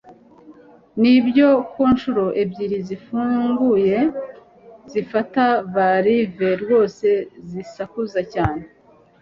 nibyo ko inshuro ebyiri zifunguye zifata valve rwose zisakuza cyane